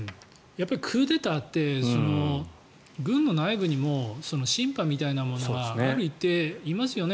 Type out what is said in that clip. クーデターって軍の内部にもシンパみたいなものがある一定いますよね。